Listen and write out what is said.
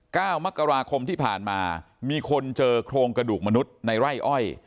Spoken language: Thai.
เก้ามกราคมที่ผ่านมามีคนเจอโครงกระดูกมนุษย์ในไร่อ้อย